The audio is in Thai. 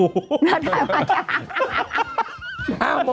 น่าใครว่าอยู่